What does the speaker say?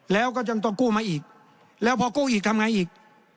แล้วก็ยังต้องกู้มาอีกแล้วพอกู้อีกทำไงอีก